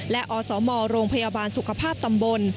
และอสมโรงพยาบาลสุขภาพตำบล